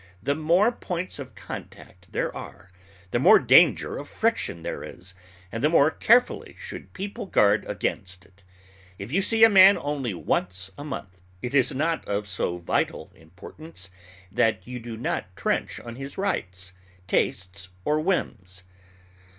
The more points of contact there are, the more danger of friction there is, and the more carefully should people guard against it. If you see a man only once a month, it is not of so vital importance that you do not trench on his rights, tastes, or whims.